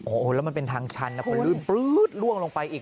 โอ้โหแล้วมันเป็นทางชันนะคนลื่นปลื๊ดล่วงลงไปอีก